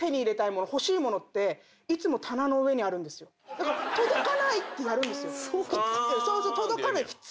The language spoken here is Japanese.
だから「届かない」ってやるんですよ。